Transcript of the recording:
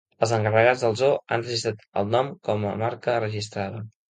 Els encarregats del zoo han registrat el nom com a marca registrada.